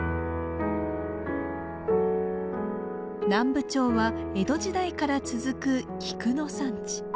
南部町は江戸時代から続く菊の産地。